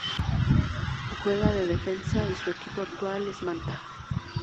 Juega de defensa y su equipo actual es Manta.